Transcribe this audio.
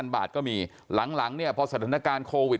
บาทก็มีหลังเนี่ยพอสถานการณ์โควิด